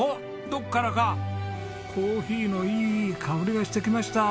どこからかコーヒーのいい香りがしてきました。